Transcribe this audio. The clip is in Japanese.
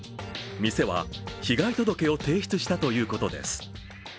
店は被害届を提出したということです。